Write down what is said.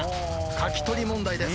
書き取り問題です。